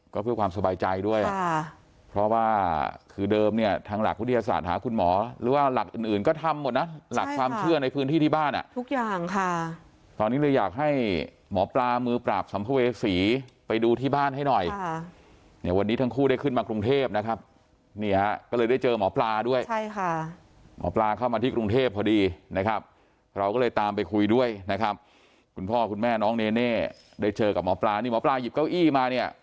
ก็เพื่อความสบายใจด้วยค่ะเพราะว่าคือเดิมเนี่ยทางหลักวิทยาศาสตร์หาคุณหมอหรือว่าหลักอื่นอื่นก็ทำหมดน่ะใช่ค่ะหลักความเชื่อในพื้นที่ที่บ้านอ่ะทุกอย่างค่ะตอนนี้เลยอยากให้หมอปลามือปราบสำคเวศีไปดูที่บ้านให้หน่อยค่ะเนี่ยวันนี้ทั้งคู่ได้ขึ้นมากรุงเทพนะครับเนี่ยก็เลยได้เจอหมอ